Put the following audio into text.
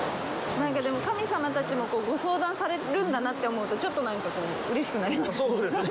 なんか、でも、神様たちもご相談されるんだなと思うとちょっとなんか、うれしくなりますね。